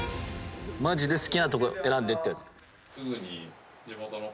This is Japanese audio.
マジで「好きなとこ選んで」って。